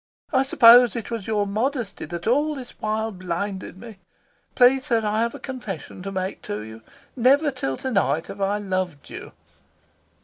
"I suppose it was your modesty that all this while blinded me. Please, sir, I have a confession to make to you. Never till to night have I loved you."